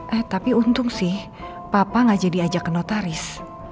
eh tapi untung sih papa gak jadi diajak ke notaris